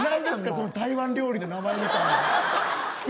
何ですか台湾料理の名前みたいな。